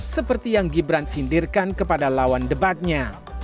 seperti yang gibran sindirkan kepada lawan debatnya